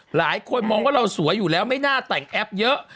หลายคนมองว่าเราสวยอยู่แล้วไม่น่าแต่งแอปเยอะ